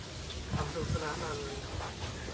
ความสนุกสนานร่าเริง